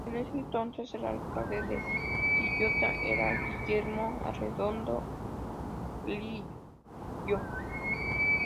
En ese entonces, el alcalde de Quillota era Guillermo Arredondo Lillo.